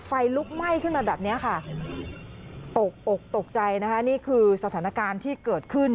ไฟลุกไหม้ขึ้นมาแบบเนี้ยค่ะตกอกตกใจนะคะนี่คือสถานการณ์ที่เกิดขึ้น